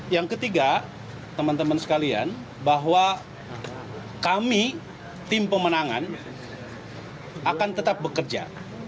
yang ketiga teman teman sekalian bahwa kami tim pemenangan akan tetap bekerja